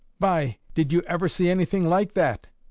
"By ! Did you ever see anything like that?"